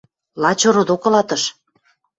– Лач ородок ылатыш...